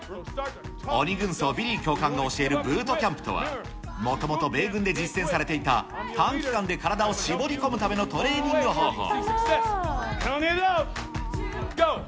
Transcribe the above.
鬼軍曹、ビリー教官の教えるブートキャンプとは、もともと米軍で実践されていた短期間で体を絞り込むためのトレーニング方法。